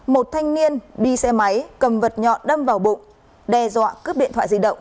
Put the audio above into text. một thanh niên đi xe máy cầm vật nhọn đâm vào bụng đe dọa cướp điện thoại di động